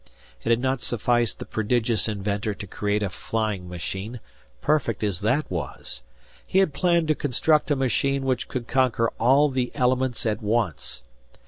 It had not sufficed the prodigious inventor to create a flying machine, perfect as that was! He had planned to construct a machine which could conquer all the elements at once.